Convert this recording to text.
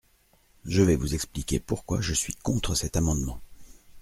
Je vais vous expliquer pourquoi je suis contre cet amendement.